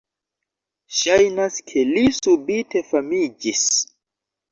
Ŝajnas ke li subite famiĝis."